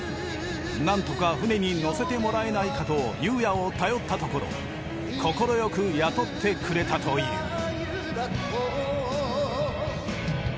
なんとか船に乗せてもらえないかと佑弥を頼ったところ快く雇ってくれたという。